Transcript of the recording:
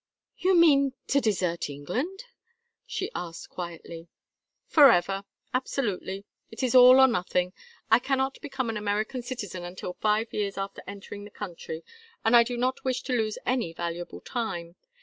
"You mean to desert England?" she asked, quietly. "Forever. Absolutely. It is all or nothing. I cannot become an American citizen until five years after entering the country, and I do not wish to lose any valuable time.